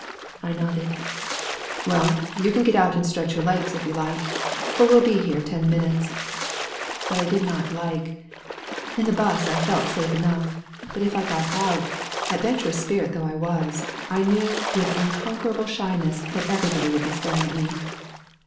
I nodded. 'Well, you can get out and stretch your legs if you like, for we'll be here ten minutes.' But I did not 'like.' In the 'bus I felt safe enough; but if I got out adventurous spirit though I was I knew with unconquerable shyness that everybody would be staring at me.